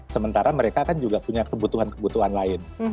sementara mereka kan juga punya kebutuhan kebutuhan lain